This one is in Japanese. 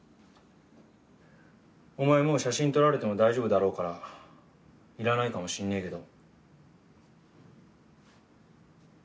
お前もう写真撮られても大丈夫だろうからいらないかもしんねえけど。